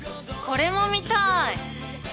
これも見たい。